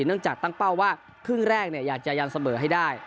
เนื่องจากตั้งเป้าว่าครึ่งแรกอยากจะยันเสมอให้ได้